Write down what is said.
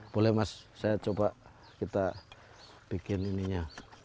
boleh mas saya coba kita bikin ininya